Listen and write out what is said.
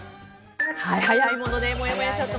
早いもので、もやもやチャット